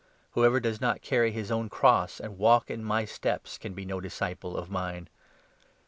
Whoever does not carry his own cross, and walk in my 27 steps, can be no disciple of mine.